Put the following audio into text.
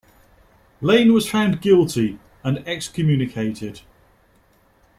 Lane was found guilty and excommunicated.